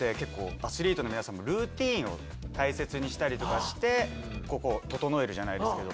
アスリートの皆さんもルーティンを大切にしたりして整えるじゃないですけど。